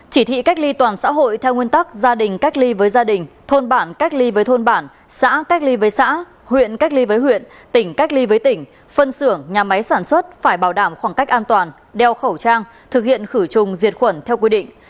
chỉ thị cách ly toàn xã hội theo nguyên tắc gia đình cách ly với gia đình thôn bản cách ly với thôn bản xã cách ly với xã huyện cách ly với huyện tỉnh cách ly với tỉnh phân xưởng nhà máy sản xuất phải bảo đảm khoảng cách an toàn đeo khẩu trang thực hiện khử trùng diệt khuẩn theo quy định